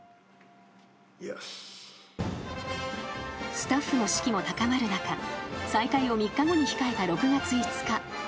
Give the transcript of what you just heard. ［スタッフの士気も高まる中再開を３日後に控えた６月５日］